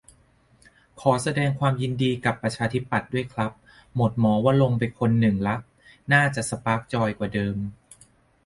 ขอแสดงความยินดีกับประชาธิปัตย์ด้วยครับ หมดหมอวรงค์ไปคนหนึ่งละ น่าจะสปาร์คจอยกว่าเดิม